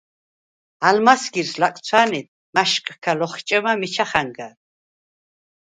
ალმა̈სგირს ლაკვცა̈ნიდ მა̈შკქა ლოხჭემა მიჩა ხანგა̈რ.